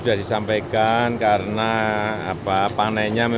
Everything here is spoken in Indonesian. oko erni ini dalanya practically lima belas meter